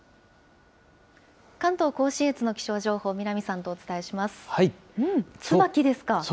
関東甲信越の気象情報、南さんとお伝えします。